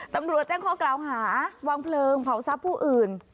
ตำรวจแจ้งข้อกล่าวหาวางเพลิงเผาทรัพย์ผู้อื่น